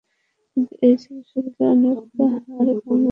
কিন্তু এই ছেলের শরীরের অনেক হাড় ভাংগা।